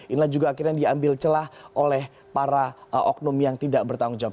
inilah juga akhirnya diambil celah oleh para oknum yang tidak bertanggung jawab